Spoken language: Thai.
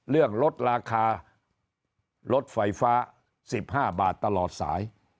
เรื่องลดราคารดฝ่ายฟ้า๑๕บาทตลอดสาย